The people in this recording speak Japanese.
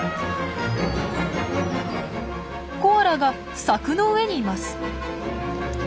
コアラが柵の上にいます。